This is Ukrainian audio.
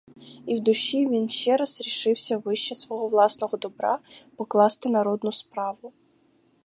І в душі він ще раз рішився вище свого власного добра покласти народну справу.